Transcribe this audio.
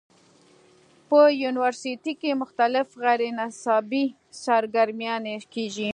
پۀ يونيورسټۍ کښې مختلف غېر نصابي سرګرميانې کيږي